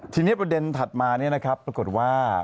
ทีนี้ประเด็นถัดมาปรากฏว่า